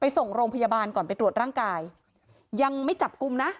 ส่งโรงพยาบาลก่อนไปตรวจร่างกายยังไม่จับกลุ่มนะ